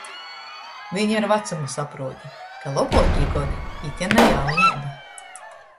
Viņ ar vacumu saprūti, ka lobuokī godi - ite na jauneiba.